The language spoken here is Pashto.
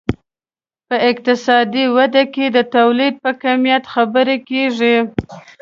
په اقتصادي وده کې د تولید په کمیت خبرې کیږي.